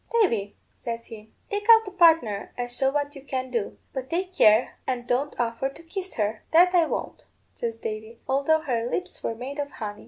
'Davy,' says he, 'take out a partner, and show what you can do, but take care and don't offer to kiss her.' 'That I won't,' says Davy, 'although her lips were made of honey.'